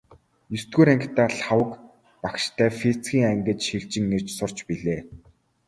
Есдүгээр ангидаа Лхагва багштай физикийн ангид шилжин ирж сурч билээ.